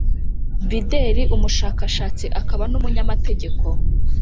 bideri umushakashatsi akaba n’umunyamategeko